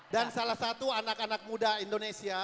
dan salah satu anak anak muda indonesia